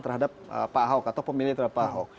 terhadap pak ahok atau pemilih terhadap pak ahok